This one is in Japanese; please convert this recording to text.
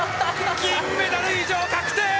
銀メダル以上確定！